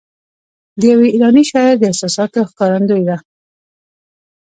د یوه ایراني شاعر د احساساتو ښکارندوی ده.